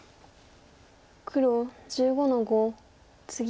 黒１５の五ツギ。